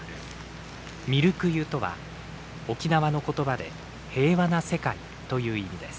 「みるく世」とは、沖縄の言葉で「平和な世界」という意味です。